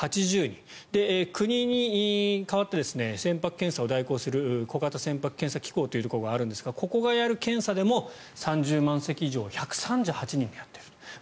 国に代わって船舶検査を代行する小型船舶検査機構というのがあるんですが、ここがやるものも３０万隻以上を１３８人でやっていると。